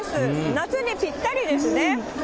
夏にぴったりですね。